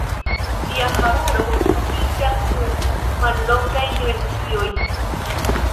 Ĝia hararo atingas nur mallongajn dimensiojn.